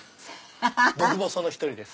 僕もその１人です。